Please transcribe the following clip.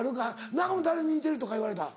中村君誰に似てるとか言われた？